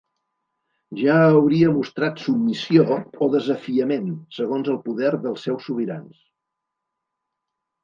Ja hauria mostrat submissió o desafiament segons el poder dels seus sobirans.